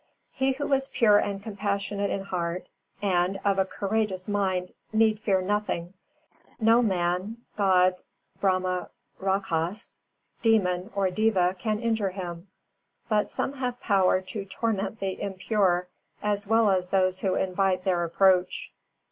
He who is pure and compassionate in heart and of a courageous mind need fear nothing: no man, god, brahmarakkhas, demon or deva, can injure him, but some have power to torment the impure, as well as those who invite their approach.